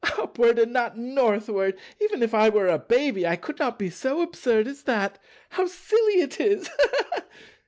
Upward and not Northward! Even if I were a baby, I could not be so absurd as that. How silly it is!